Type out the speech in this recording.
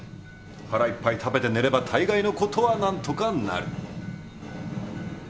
「腹いっぱい食べて寝れば大概の事はなんとかなる」。